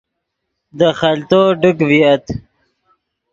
دے خلتو ڈک ڤییت